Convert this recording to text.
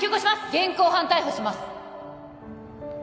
現行犯逮捕します